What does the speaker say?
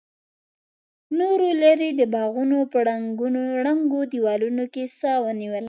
نورو ليرې د باغونو په ړنګو دېوالونو کې سا ونيوله.